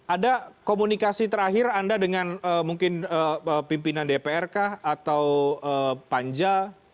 ada komunikasi terakhir anda dengan mungkin pimpinan dpr kah atau panja